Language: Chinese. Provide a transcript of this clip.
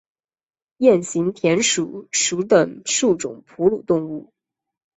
鼹形田鼠属等数种哺乳动物。